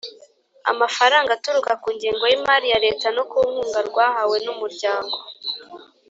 amafaranga aturuka ku ngengo y imari ya Leta no ku nkunga rwahawe n Umuryango